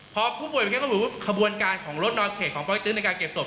เพราะผู้ป่วยเป็นเพื่อนขบวนการของรถนอนเขตของประวัติศึกษ์ในการเก็บศพ